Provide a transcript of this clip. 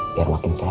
biar makin sehat